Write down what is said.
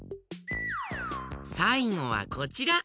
さいごはこちら。